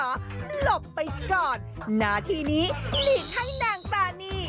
หลบไปก่อนหน้าที่นี้หลีกให้นางตานี